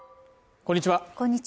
こんにちは